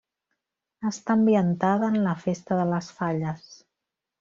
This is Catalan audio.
Està ambientada en la festa de les Falles.